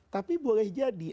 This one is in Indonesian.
tapi boleh jadi